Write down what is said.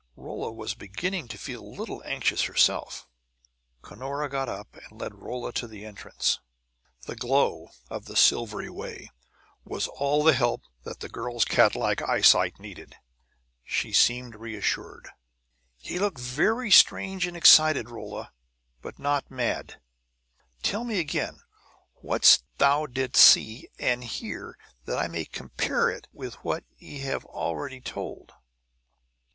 Rolla was beginning to feel a little anxious herself. Cunora got up and led Rolla to the entrance. The glow of "the Silvery Way" was all the help that the girl's catlike eyesight needed; she seemed reassured. "Ye look very strange and excited, Rolla, but not mad. Tell me again what thou didst see and hear, that I may compare it with what ye have already told."